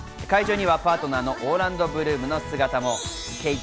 会場にはパートナーのオーランド・ブルームの姿も。